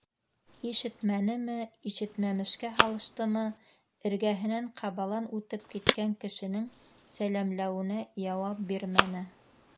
Ишетмәнеме, ишетмәмешкә һалыштымы, эргәһенән ҡабалан үтеп киткән кешенең сәләмләүенә яуап бирмәне.